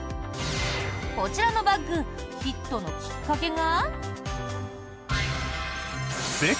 こちらのバッグヒットのきっかけが。